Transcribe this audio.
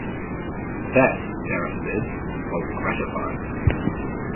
That," Garris says, "was gratifying.